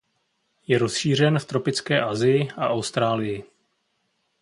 Je rozšířen v tropické Asii a Austrálii.